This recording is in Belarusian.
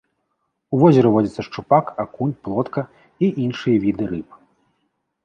У возеры водзяцца шчупак, акунь, плотка і іншыя віды рыб.